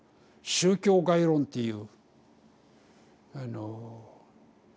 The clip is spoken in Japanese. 宗教概論っていう。